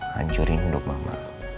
hancurin hidup mama